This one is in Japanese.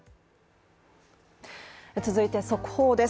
続いて速報です。